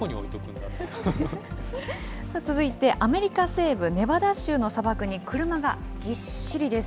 続いて、アメリカ西部ネバダ州の砂漠に車がぎっしりです。